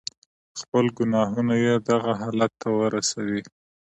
خپل گناهونه ئې دغه حالت ته ورسوي.